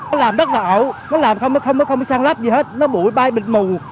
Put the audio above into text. nó làm rất là ổ nó làm không có săn lắp gì hết nó bụi bay bịt mù